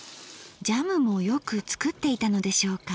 ジャムもよく作っていたのでしょうか。